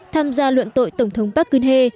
tham gia luận tội tổng thống park geun hye